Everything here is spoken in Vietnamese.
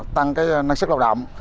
tăng cái năng sức lâu đậm